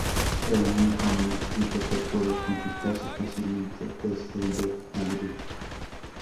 El único manuscrito que puede consultarse fácilmente es el de Madrid.